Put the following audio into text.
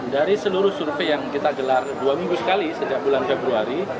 dari seluruh survei yang kita gelar dua minggu sekali sejak bulan februari